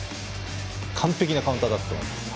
完璧なカウンターだったと思います。